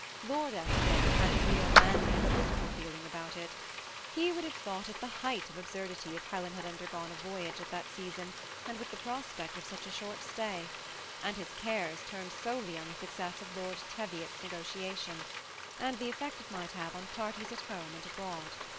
Lord Eskdale had the real manly political feeling about it. He would have thought it the height of absurdity if Helen had undertaken a voyage at that season, and with the pros pect of such a short stay ; and his cares turned solely on the success of Lord Teviot's negotiation, and the effect it might have on parties at home and abroad.